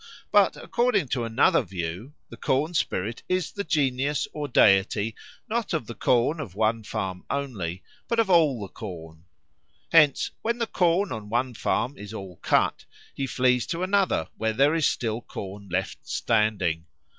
But, according to another view, the corn spirit is the genius or deity, not of the corn of one farm only, but of all the corn. Hence when the corn on one farm is all cut, he flees to another where there is still corn left standing.